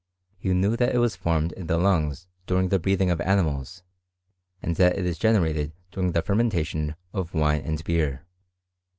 He knew that it was formed in the lungs during the breathing of animals, and that it is generated during the fermentation of wine and beer.